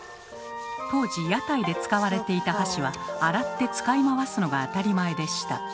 当時屋台で使われていた箸は洗って使い回すのが当たり前でした。